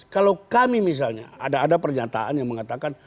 kalau kami misalnya ada ada pernyataan yang mengatakan